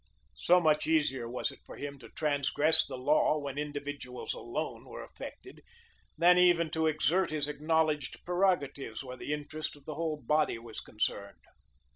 So much easier was it for him to transgress the law, when individuals alone were affected, than even to exert his acknowledged prerogatives, where the interest of the whole body was concerned.